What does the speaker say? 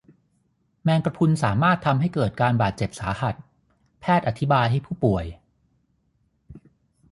แมงกะพรุนสามารถทำให้เกิดการบาดเจ็บสาหัสแพทย์อธิบายให้ผู้ป่วย